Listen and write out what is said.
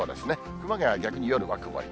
熊谷は逆に夜は曇り。